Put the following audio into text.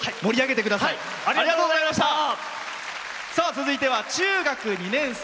続いては中学２年生。